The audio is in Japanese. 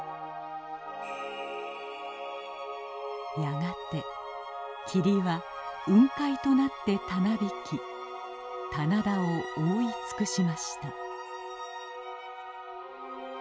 やがて霧は雲海となってたなびき棚田を覆いつくしました。